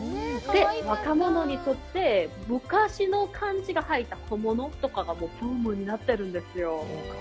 若者にとって昔の漢字が入った小物とかがブームになってるんですよ。